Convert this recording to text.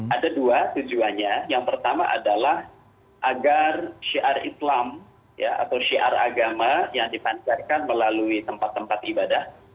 ada dua tujuannya yang pertama adalah agar syiar islam atau syiar agama yang dipancarkan melalui tempat tempat ibadah